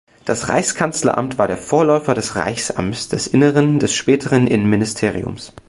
Das Reichskanzleramt war der Vorläufer des Reichsamts des Innern, des späteren Innenministeriums.